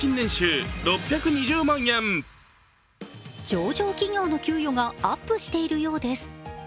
上場企業の給与がアップしているようです。